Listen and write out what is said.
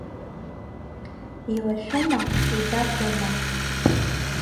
Илашәума, идагәоума?